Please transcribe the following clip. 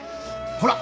ほら！